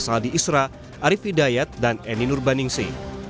saldi isra arief hidayat dan eni nurbaningsi